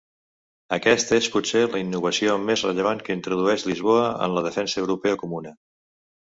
Aquesta és potser la innovació més rellevant que introdueix Lisboa en la defensa europea comuna.